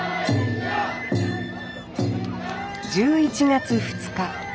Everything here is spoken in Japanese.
１１月２日。